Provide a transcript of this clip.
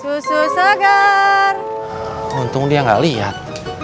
susu segar untung dia nggak lihat